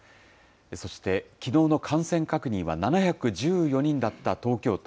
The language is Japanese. そして、きのうの感染確認は７１４人だった東京都。